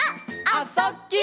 「あ・そ・ぎゅ」